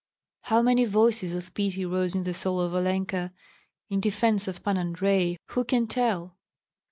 How many voices of pity rose in the soul of Olenka in defence of Pan Andrei, who can tell!